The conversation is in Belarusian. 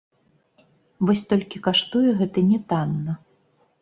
Вось толькі каштуе гэта не танна.